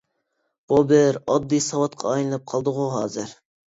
بۇ بىر ئاددىي ساۋاتقا ئايلىنىپ قالدىغۇ ھازىر.